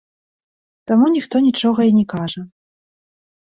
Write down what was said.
Таму ніхто нічога не кажа.